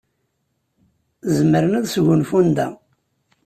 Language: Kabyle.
Zemren ad sgunfun da.